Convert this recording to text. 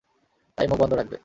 তাই মুখ বন্ধ রাখবে।